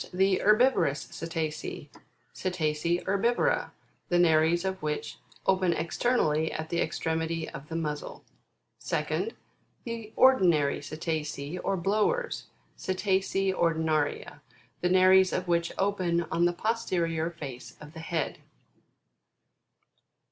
The HERBIVOROUS CETACEA, Cetacea Herbiuora, the nares of which open externally at the extremity of the muzzle ; 2d. The ORDINARY CETACEA, or BLOWERS, Cetacea Ordinaria, the nares of which open on the posterior face of the head.